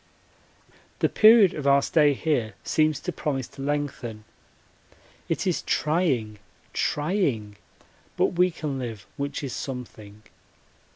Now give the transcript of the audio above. The period of our stay here seems to promise to lengthen. It is trying trying but we can live, which is something.